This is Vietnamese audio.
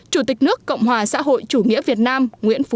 chủ tịch nước cộng hòa xã hội chủ nghĩa việt nam nguyễn phú trọng